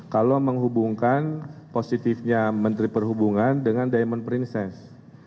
kalau menghubungkan positifnya menteri perhubungan dengan diamond princess